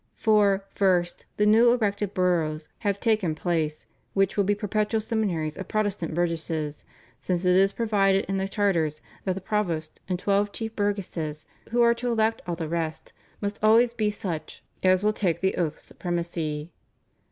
For, first, the new erected boroughs have taken place, which will be perpetual seminaries of Protestant burgesses, since it is provided in the charters that the provost and twelve chief burgesses, who are to elect all the rest, must always be such as will take the Oath of Supremacy.